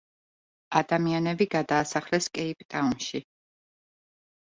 ადამიანები გადაასახლეს კეიპტაუნში.